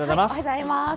おはようございます。